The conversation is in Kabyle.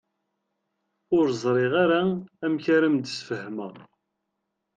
Ur ẓriɣ ara amek ara am-d-sfehmeɣ.